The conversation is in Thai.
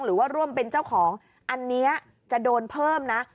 หรือว่าร่วมเป็นเจ้าของอันนี้จะโดนเพิ่มนะ